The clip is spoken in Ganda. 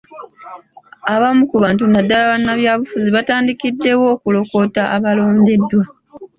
Abamu ku bantu naddala bannabyabufuzi baatandikiddewo okukolokota abaalondeddwa.